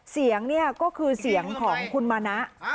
เสียงนี่ก็คือเสียงของคุณมานะ